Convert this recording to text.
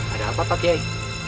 ada apa pak kiai